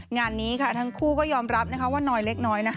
งานนี้ทั้งคู่ก็ยอมรับว่าน้อยเล็กน้อย